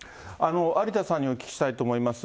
有田さんにお聞きしたいと思います。